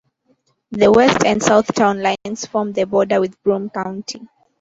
The west and south town lines form the border with Broome County.